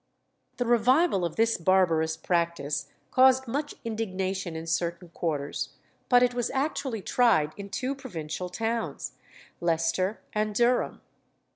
The revival of this barbarous practice caused much indignation in certain quarters, but it was actually tried in two provincial towns, Leicester and Durham.